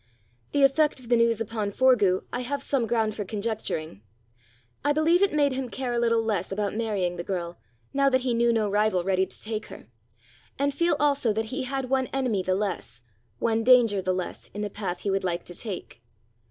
The effect of the news upon Forgue I have some ground for conjecturing: I believe it made him care a little less about marrying the girl, now that he knew no rival ready to take her; and feel also that he had one enemy the less, one danger the less, in the path he would like to take.